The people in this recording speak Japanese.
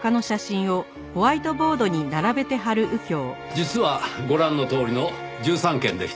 実はご覧のとおりの１３件でした。